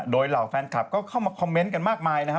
โดยเหล่าแฟนคลับก็เข้ามาคอมเมนต์กันมากมายนะครับ